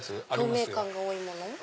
透明感が多いもの。